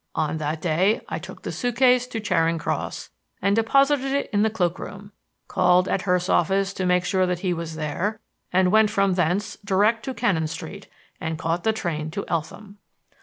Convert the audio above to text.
On that day I took the suitcase to Charing Cross and deposited it in the cloakroom, called at Hurst's office to make sure that he was there, and went from thence direct to Cannon Street and caught the train to Eltham.